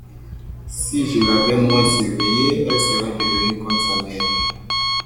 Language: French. Si je l’avais moins surveillée, elle serait devenue comme sa mère.